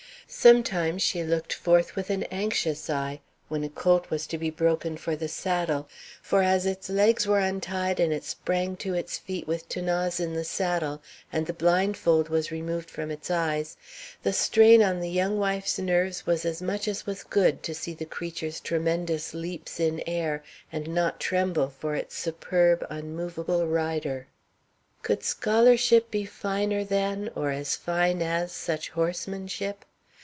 Sometimes she looked forth with an anxious eye, when a colt was to be broken for the saddle; for as its legs were untied, and it sprang to its feet with 'Thanase in the saddle, and the blindfold was removed from its eyes, the strain on the young wife's nerves was as much as was good, to see the creature's tremendous leaps in air and not tremble for its superb, unmovable rider. Could scholarship be finer than or as fine as such horsemanship?